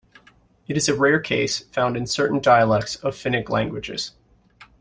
It is a rare case found in certain dialects of Finnic languages.